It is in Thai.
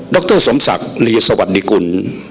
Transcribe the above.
รสมศักดิ์ลีสวัสดีกุล